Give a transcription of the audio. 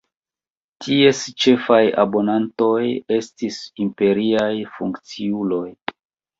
Ties ĉefaj abonantoj estis imperiaj funkciuloj.